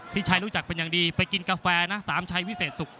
พี่ชัยรู้จักเป็นอย่างดีไปกินกาแฟนะสามชัยวิเศษสุข